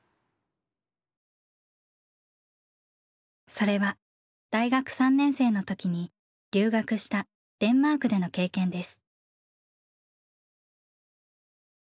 それは大学３年生の時に留学したデンマークでの経験です。